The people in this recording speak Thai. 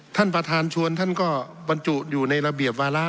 ท่านประธานชวนท่านก็บรรจุอยู่ในระเบียบวาระ